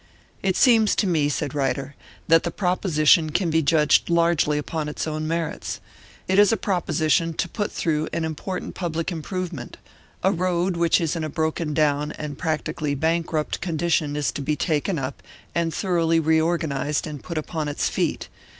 "It seems to me," said Ryder, "that the proposition can be judged largely upon its own merits. It is a proposition to put through an important public improvement; a road which is in a broken down and practically bankrupt condition is to be taken up, and thoroughly reorganised, and put upon its feet.